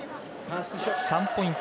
３ポイント